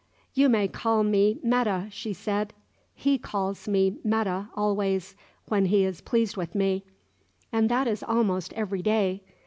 "You may call me 'Metta," she said. "He calls me 'Metta always, when he is pleased with me, and that is almost every day.